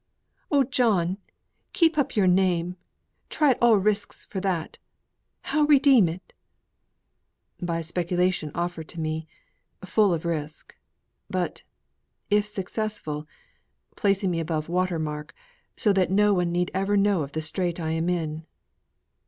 Oh, John! keep up your name try all risks for that. How redeem it?" "By a speculation offered to me, but full of risk; but, if successful, placing me high above water mark, so that no one need ever know the strait I am in.